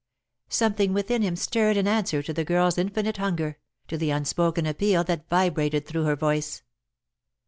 Something within him stirred in answer to the girl's infinite hunger, to the unspoken appeal that vibrated through her voice.